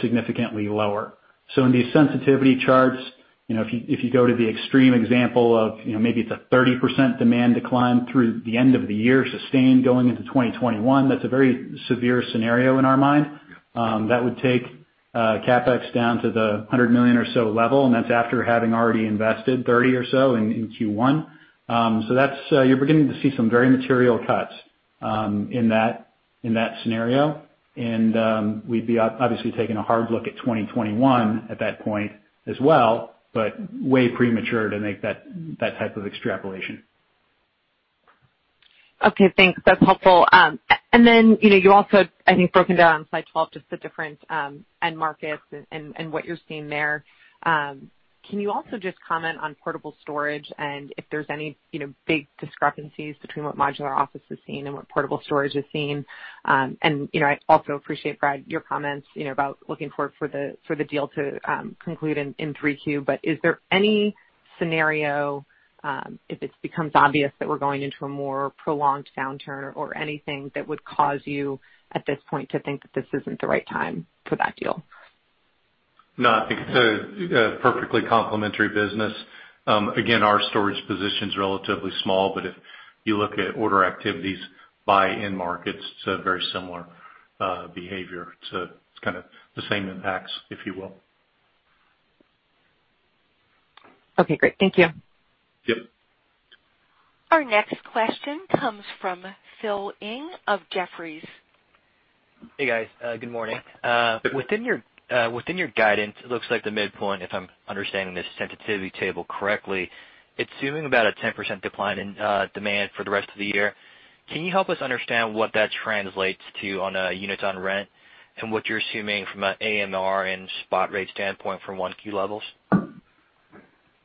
significantly lower. So in these sensitivity charts, if you go to the extreme example of maybe it's a 30% demand decline through the end of the year sustained going into 2021, that's a very severe scenario in our mind. That would take CapEx down to the $100 million or so level. And that's after having already invested $30 or so in Q1. So you're beginning to see some very material cuts in that scenario. And we'd be obviously taking a hard look at 2021 at that point as well, but way premature to make that type of extrapolation. Okay. Thanks. That's helpful. And then you also, I think, broke down on Slide 12 just the different end markets and what you're seeing there. Can you also just comment on portable storage and if there's any big discrepancies between what Modular Office is seeing and what Portable Storage is seeing? And I also appreciate, Brad, your comments about looking forward for the deal to conclude in 3Q. But is there any scenario, if it becomes obvious that we're going into a more prolonged downturn or anything, that would cause you at this point to think that this isn't the right time for that deal? No, I think it's a perfectly complementary business. Again, our storage position's relatively small, but if you look at order activities by end markets, it's a very similar behavior. It's kind of the same impacts, if you will. Okay. Great. Thank you. Yep. Our next question comes from Phil Ng of Jefferies. Hey, guys. Good morning. Within your guidance, it looks like the midpoint, if I'm understanding this sensitivity table correctly, it's assuming about a 10% decline in demand for the rest of the year. Can you help us understand what that translates to on a unit on rent and what you're assuming from an AMR and spot rate standpoint for Q1 levels?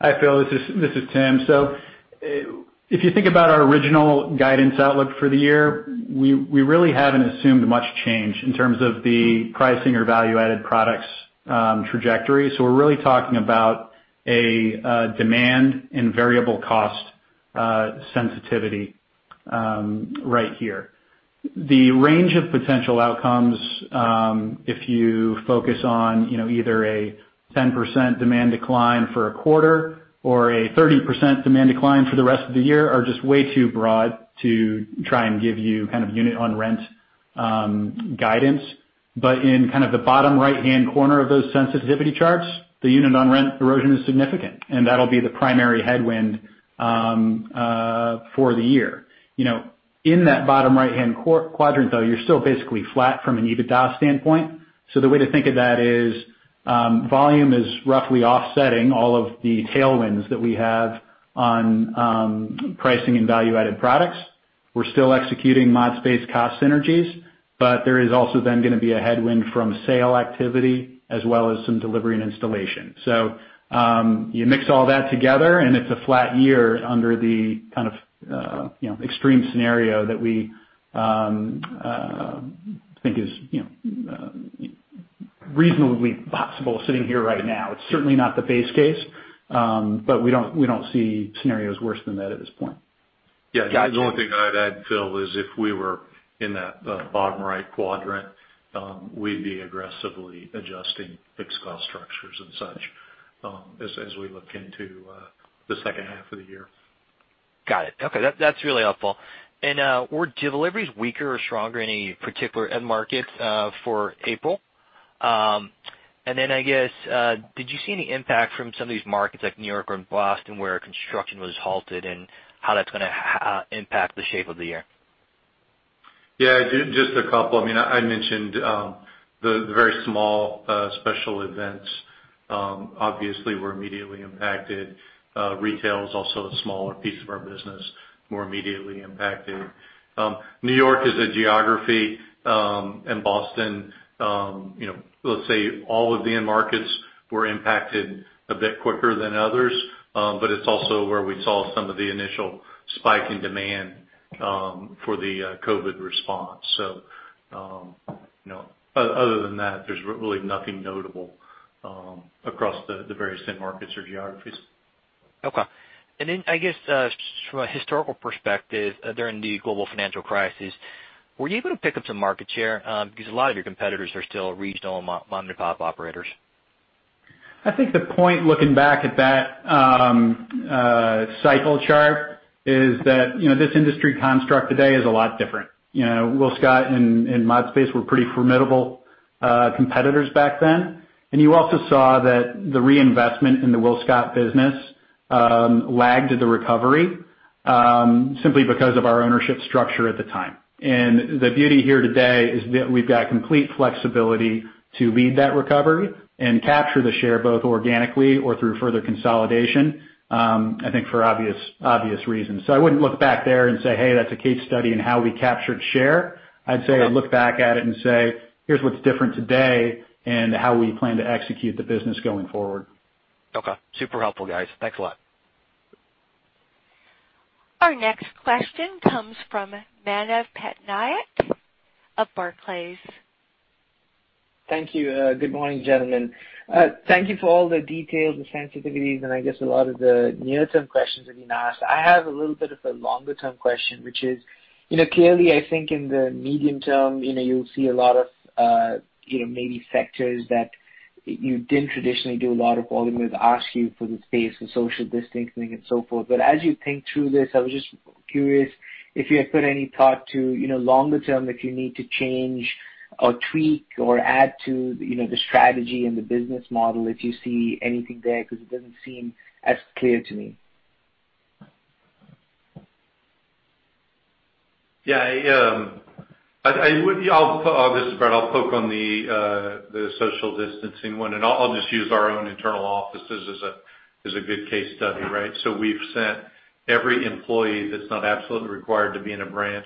Hi, Phil. This is Tim. So if you think about our original guidance outlook for the year, we really haven't assumed much change in terms of the pricing or value-added products trajectory. So we're really talking about a demand and variable cost sensitivity right here. The range of potential outcomes, if you focus on either a 10% demand decline for a quarter or a 30% demand decline for the rest of the year, are just way too broad to try and give you kind of unit on rent guidance. But in kind of the bottom right-hand corner of those sensitivity charts, the unit on rent erosion is significant. And that'll be the primary headwind for the year. In that bottom right-hand quadrant, though, you're still basically flat from an EBITDA standpoint. So the way to think of that is volume is roughly offsetting all of the tailwinds that we have on pricing and value-added products. We're still executing ModSpace cost synergies, but there is also then going to be a headwind from sale activity as well as some delivery and installation. So you mix all that together, and it's a flat year under the kind of extreme scenario that we think is reasonably possible sitting here right now. It's certainly not the base case, but we don't see scenarios worse than that at this point. Yeah. The only thing I'd add, Phil, is if we were in that bottom right quadrant, we'd be aggressively adjusting fixed cost structures and such as we look into the second half of the year. Got it. Okay. That's really helpful. And were deliveries weaker or stronger in any particular end market for April? And then I guess, did you see any impact from some of these markets like New York or Boston where construction was halted and how that's going to impact the shape of the year? Yeah. Just a couple. I mean, I mentioned the very small special events obviously were immediately impacted. Retail is also a smaller piece of our business, more immediately impacted. New York is a geography, and Boston, let's say all of the end markets were impacted a bit quicker than others. But it's also where we saw some of the initial spike in demand for the COVID response. So other than that, there's really nothing notable across the various end markets or geographies. Okay. And then I guess from a historical perspective during the Global Financial Crisis, were you able to pick up some market share? Because a lot of your competitors are still regional mom-and-pop operators. I think the point looking back at that cycle chart is that this industry construct today is a lot different. WillScot and ModSpace were pretty formidable competitors back then. You also saw that the reinvestment in the WillScot business lagged the recovery simply because of our ownership structure at the time. The beauty here today is that we've got complete flexibility to lead that recovery and capture the share both organically or through further consolidation, I think for obvious reasons. I wouldn't look back there and say, "Hey, that's a case study in how we captured share." I'd say I'd look back at it and say, "Here's what's different today and how we plan to execute the business going forward." Okay. Super helpful, guys. Thanks a lot. Our next question comes from Manav Patnaik of Barclays. Thank you. Good morning, gentlemen. Thank you for all the details and sensitivities and I guess a lot of the near-term questions that you've asked. I have a little bit of a longer-term question, which is clearly, I think in the medium term, you'll see a lot of maybe sectors that you didn't traditionally do a lot of volume with ask you for the space, the social distancing, and so forth, but as you think through this, I was just curious if you had put any thought to longer term if you need to change or tweak or add to the strategy and the business model if you see anything there because it doesn't seem as clear to me. Yeah. I'll just, Brad, I'll poke on the social distancing one and I'll just use our own internal offices as a good case study, right? So we've sent every employee that's not absolutely required to be in a branch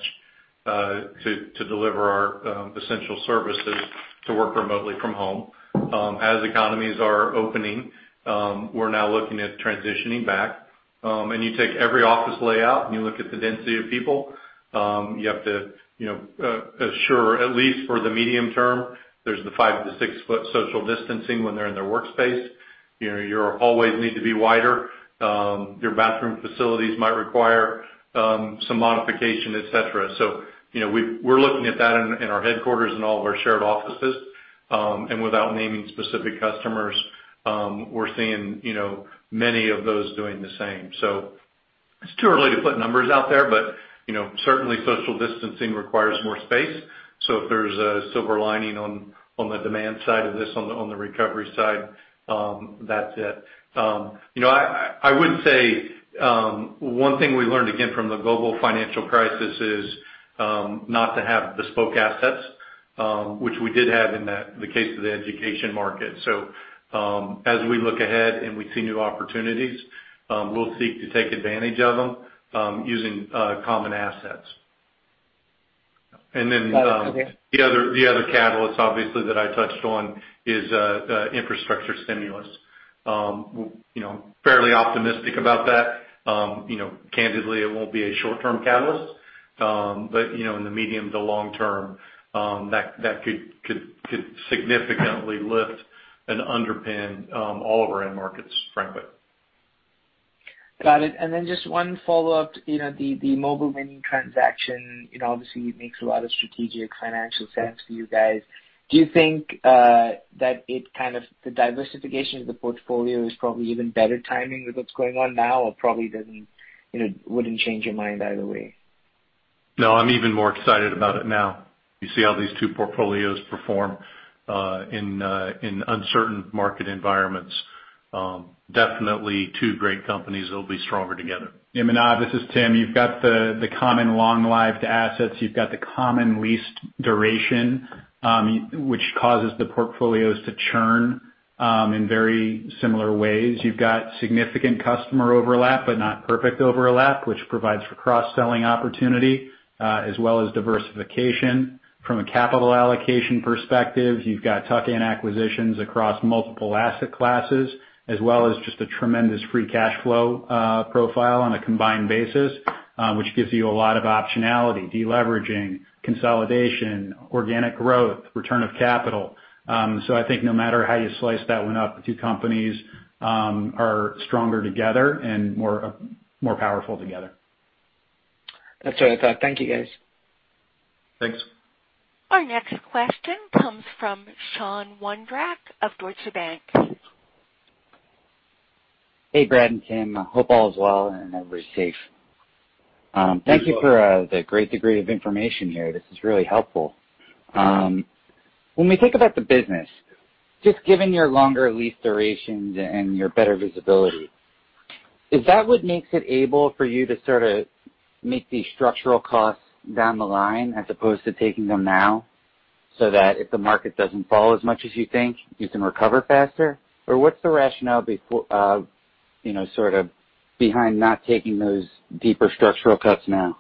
to deliver our essential services to work remotely from home. As economies are opening, we're now looking at transitioning back. And you take every office layout and you look at the density of people, you have to assure, at least for the medium term, there's the five- to six-foot social distancing when they're in their workspace. Your hallways need to be wider. Your bathroom facilities might require some modification, etc. So we're looking at that in our headquarters and all of our shared offices. And without naming specific customers, we're seeing many of those doing the same. So it's too early to put numbers out there, but certainly social distancing requires more space. So if there's a silver lining on the demand side of this, on the recovery side, that's it. I would say one thing we learned again from the Global Financial Crisis is not to have bespoke assets, which we did have in the case of the education market. So as we look ahead and we see new opportunities, we'll seek to take advantage of them using common assets. And then the other catalyst, obviously, that I touched on is infrastructure stimulus. Fairly optimistic about that. Candidly, it won't be a short-term catalyst. But in the medium to long term, that could significantly lift and underpin all of our end markets, frankly. Got it. And then just one follow-up. The Mobile Mini transaction obviously makes a lot of strategic financial sense for you guys. Do you think that the diversification of the portfolio is probably even better timing with what's going on now or probably wouldn't change your mind either way? No, I'm even more excited about it now. You see how these two portfolios perform in uncertain market environments. Definitely two great companies that will be stronger together. Yeah. Manav, this is Tim. You've got the common long-lived assets. You've got the common lease duration, which causes the portfolios to churn in very similar ways. You've got significant customer overlap, but not perfect overlap, which provides for cross-selling opportunity as well as diversification from a capital allocation perspective. You've got tuck-in acquisitions across multiple asset classes as well as just a tremendous free cash flow profile on a combined basis, which gives you a lot of optionality, deleveraging, consolidation, organic growth, return of capital. So I think no matter how you slice that one up, the two companies are stronger together and more powerful together. That's what I thought. Thank you, guys. Thanks. Our next question comes from Sean Wondrak of Deutsche Bank. Hey, Brad and Tim. I hope all is well and everybody's safe. Thank you for the great degree of information here. This is really helpful. When we think about the business, just given your longer lease durations and your better visibility, is that what makes it able for you to sort of make these structural costs down the line as opposed to taking them now so that if the market doesn't fall as much as you think, you can recover faster? Or what's the rationale sort of behind not taking those deeper structural cuts now?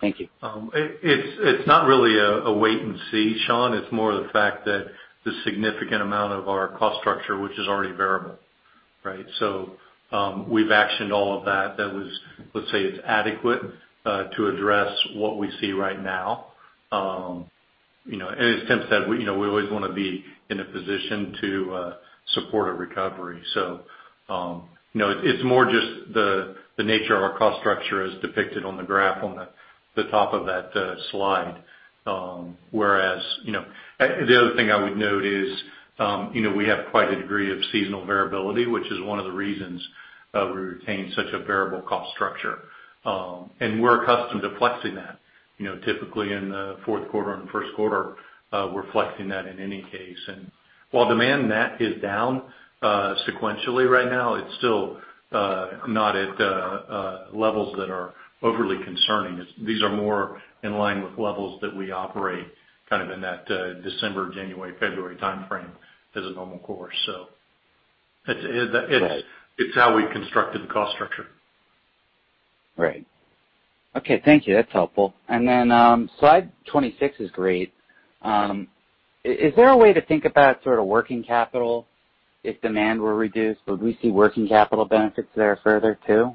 Thank you. It's not really a wait and see, Sean. It's more the fact that the significant amount of our cost structure, which is already variable, right? So we've actioned all of that. That was, let's say, it's adequate to address what we see right now. And as Tim said, we always want to be in a position to support a recovery. So it's more just the nature of our cost structure as depicted on the graph on the top of that slide. Whereas the other thing I would note is we have quite a degree of seasonal variability, which is one of the reasons we retain such a variable cost structure. And we're accustomed to flexing that. Typically in the fourth quarter and first quarter, we're flexing that in any case. And while demand net is down sequentially right now, it's still not at levels that are overly concerning. These are more in line with levels that we operate kind of in that December, January, February timeframe as a normal course. So it's how we've constructed the cost structure. Right. Okay. Thank you. That's helpful. And then Slide 26 is great. Is there a way to think about sort of working capital if demand were reduced? Would we see working capital benefits there further too?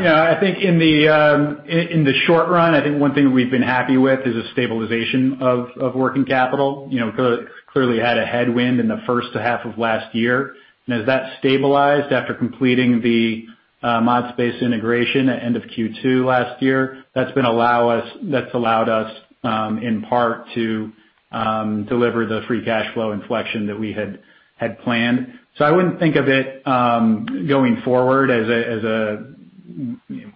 Yeah. I think in the short run, I think one thing we've been happy with is a stabilization of working capital. It clearly had a headwind in the first half of last year. And as that stabilized after completing the ModSpace integration at end of Q2 last year, that's allowed us in part to deliver the free cash flow inflection that we had planned. So I wouldn't think of it going forward as a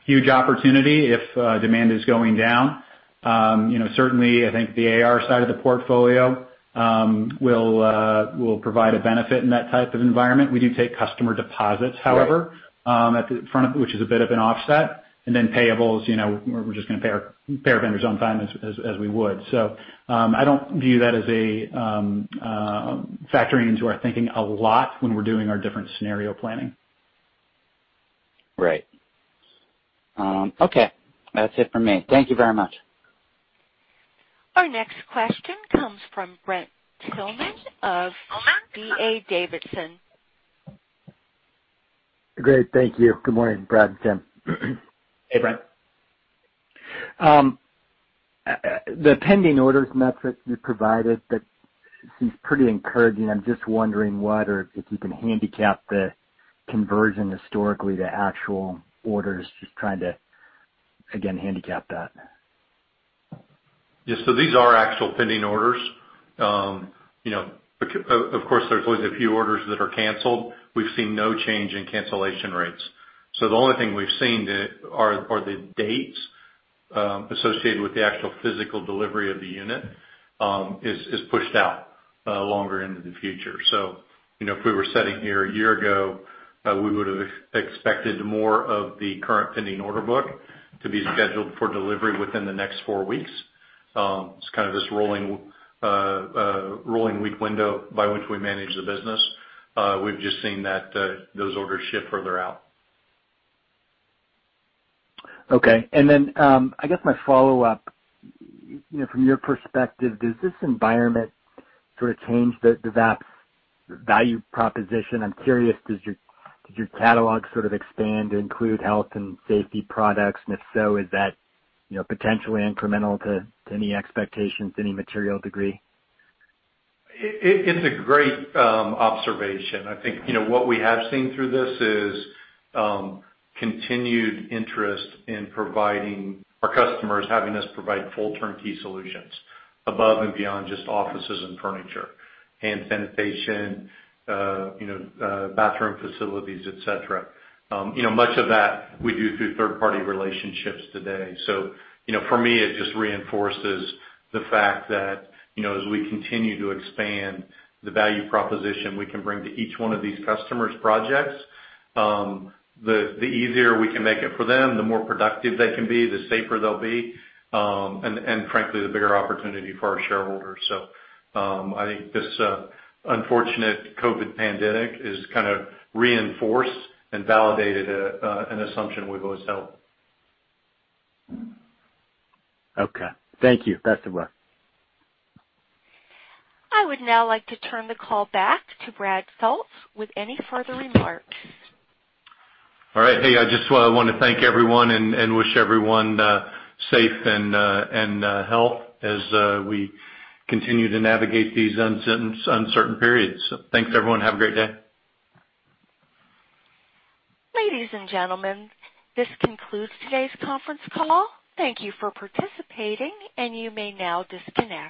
huge opportunity if demand is going down. Certainly, I think the AR side of the portfolio will provide a benefit in that type of environment. We do take customer deposits, however, at the front of it, which is a bit of an offset. And then payables, we're just going to pay our vendors on time as we would. So I don't view that as factoring into our thinking a lot when we're doing our different scenario planning. Right. Okay. That's it for me. Thank you very much. Our next question comes from Brent Thielman of D.A. Davidson. Great. Thank you. Good morning, Brad and Tim. Hey, Brent. The pending orders metric you provided, that seems pretty encouraging. I'm just wondering whether you can handicap the conversion historically to actual orders, just trying to, again, handicap that. Yeah. So these are actual pending orders. Of course, there's always a few orders that are canceled. We've seen no change in cancellation rates. So the only thing we've seen are the dates associated with the actual physical delivery of the unit is pushed out longer into the future. So if we were sitting here a year ago, we would have expected more of the current pending order book to be scheduled for delivery within the next four weeks. It's kind of this rolling week window by which we manage the business. We've just seen that those orders shift further out. Okay. And then I guess my follow-up, from your perspective, does this environment sort of change the value proposition? I'm curious, does your catalog sort of expand to include health and safety products? And if so, is that potentially incremental to any expectations, any material degree? It's a great observation. I think what we have seen through this is continued interest in providing our customers, having us provide full turnkey solutions above and beyond just offices and furniture, hand sanitation, bathroom facilities, etc. Much of that we do through third-party relationships today. So for me, it just reinforces the fact that as we continue to expand the value proposition we can bring to each one of these customers' projects, the easier we can make it for them, the more productive they can be, the safer they'll be, and frankly, the bigger opportunity for our shareholders. So I think this unfortunate COVID pandemic has kind of reinforced and validated an assumption we've always held. Okay. Thank you. Best of luck. I would now like to turn the call back to Brad Soultz with any further remarks. All right. Hey, I just want to thank everyone and wish everyone safe and health as we continue to navigate these uncertain periods. So thanks, everyone. Have a great day. Ladies and gentlemen, this concludes today's conference call. Thank you for participating, and you may now disconnect.